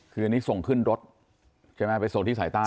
คืออันนี้ส่งขึ้นรถใช่ไหมไปส่งที่สายใต้